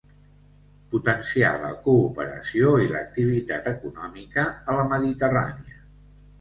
Potenciar la cooperació i l'activitat econòmica a la Mediterrània.